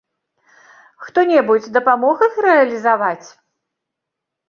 Хто-небудзь дапамог іх рэалізаваць?